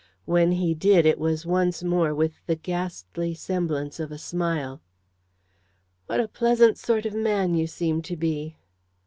When he did it was once more with the ghastly semblance of a smile. "What a pleasant sort of man you seem to be!"